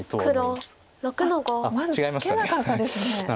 まずツケなかったですね。